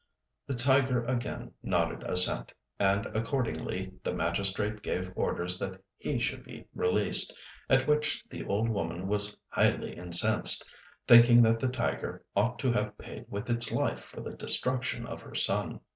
The tiger again nodded assent, and accordingly the magistrate gave orders that he should be released, at which the old woman was highly incensed, thinking that the tiger ought to have paid with its life for the destruction of her son.